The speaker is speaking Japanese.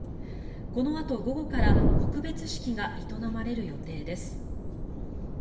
このあと午後から告別式が営まれる予定です。